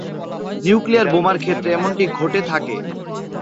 Nuclear বোমার ক্ষেত্রে এমনটি ঘটে থাকে।